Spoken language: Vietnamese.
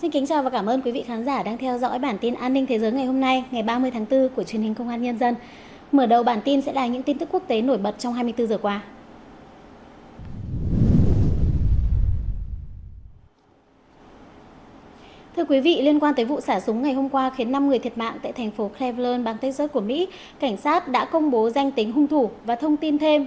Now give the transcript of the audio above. hãy đăng ký kênh để ủng hộ kênh của chúng mình nhé